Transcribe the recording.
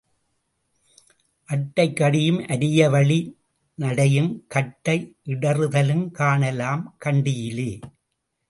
அட்டைக் கடியும் அரிய வழி நடையும் கட்டை இடறுதலும் காணலாம் கண்டியிலே.